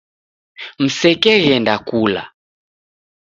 Msekeghenda kula